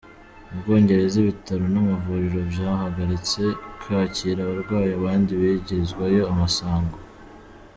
Mu Bwongereza ibitaro n'amavuriro vyahagaritse kwakira abarwayi abandi bigirizwayo amasango.